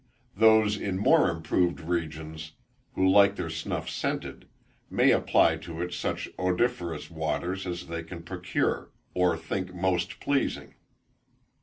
Those, in more improved regions, who like their snuff scented, may apply to it such odoriferous waters as they can procure, or think most pleasing.